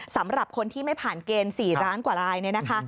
สำหรับคนที่ไม่ผ่านเกณฑ์๔ล้านกว่ารายเนี่ยนะคะ